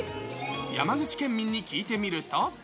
山口県民に聞いてみると。